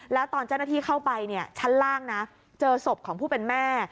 แล้วตอนเจ้าหน้าที่เข้าไปชั้นล่างนะเจอศพของผู้เป็นแม่